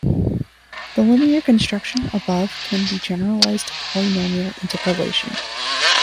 The linear construction above can be generalized to polynomial interpolation.